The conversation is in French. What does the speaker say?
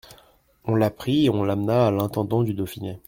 On la prit et on l'amena à l'intendant du Dauphiné.